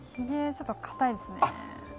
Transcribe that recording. ちょっと硬いですね。